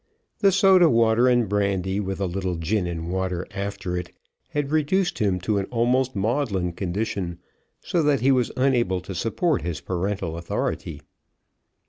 The soda water and brandy, with a little gin and water after it, had reduced him to an almost maudlin condition, so that he was unable to support his parental authority.